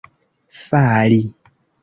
fali